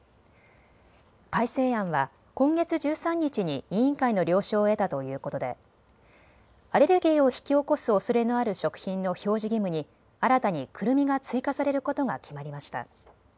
改正案は今月１３日に委員会の了承を得たということでアレルギーを引き起こすおそれのある食品の表示義務に新たにくるみが追加されることが決まりました。